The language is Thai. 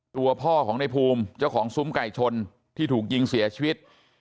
ตัวพ่อของในภูมิเจ้าของซุ้มไก่ชนที่ถูกยิงเสียชีวิต